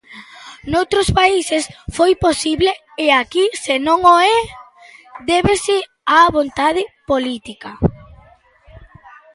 Noutros países foi posible e aquí se non o é, débese á vontade política.